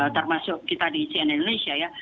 termasuk kita di cnn indonesia ya